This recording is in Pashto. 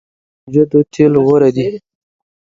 د کنجدو تیل غوره دي.